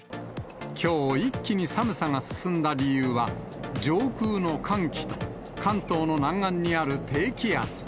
きょう、一気に寒さが進んだ理由は、上空の寒気と、関東の南岸にある低気圧。